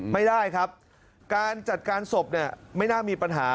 ไม่ได้ครับการจัดการสบไม่น่ามีปัญหา